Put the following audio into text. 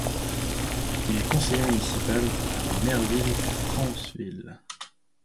Il est conseiller municipal à Merville-Franceville.